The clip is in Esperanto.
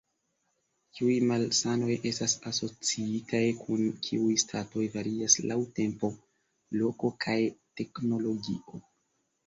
Kiuj malsanoj estas asociitaj kun kiuj statoj varias laŭ tempo, loko kaj teknologio.